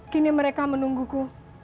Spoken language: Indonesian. kini mereka menungguku